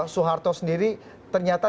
soeharto sendiri ternyata